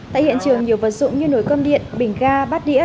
tại hiện trường nhiều vật dụng như nồi cơm điện bình ga bát đĩa